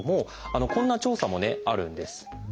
こんな調査もあるんです。